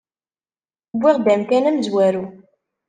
Wwiɣ-d amkan amezwaru.